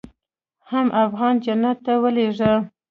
حم افغان جنت ته ولېږه.